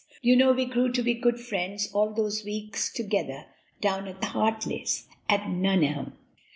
You know we grew to be good friends all those weeks together down at the Hartleys', at Nuneham!'"